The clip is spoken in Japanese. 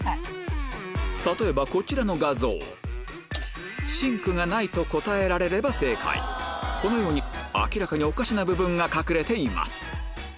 例えばこちらの画像「シンクがない」と答えられれば正解このように明らかにおかしな部分が隠れています